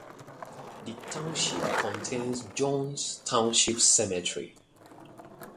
The township contains Jones Township Cemetery.